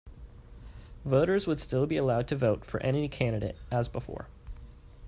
Voters would still be allowed to vote for any candidate as before.